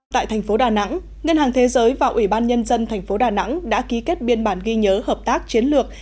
tại thành phố đà nẵng ngân hàng thế giới và ủy ban nhân dân thành phố đà nẵng đã ký kết biên bản ghi nhớ hợp tác chiến lược